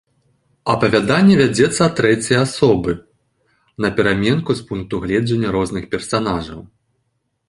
Апавяданне вядзецца ад трэцяй асобы, напераменку з пункту гледжання розных персанажаў.